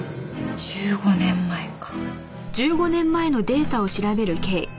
１５年前か。